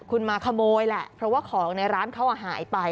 คุณมาขโมยแหละเพราะว่าของในร้านเขาหายไป